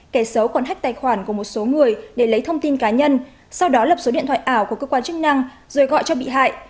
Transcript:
kẻ xấu còn hách tài khoản của một số người để lấy thông tin cá nhân sau đó lập số điện thoại ảo của cơ quan chức năng rồi gọi cho bị hại